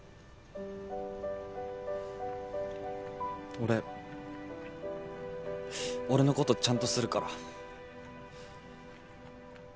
俺俺のことちゃんとするから。